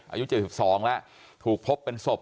อายุ๗๒แล้วถูกพบเป็นศพ